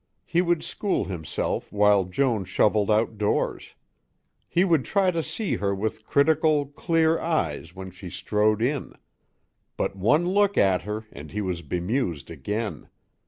He would school himself while Joan shoveled outdoors. He would try to see her with critical, clear eyes when she strode in. But one look at her and he was bemused again.